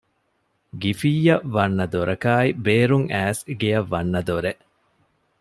ގިފިއްޔަށް ވަންނަ ދޮރަކާއި ބޭރުން އައިސް ގެއަށް ވަންނަ ދޮރެއް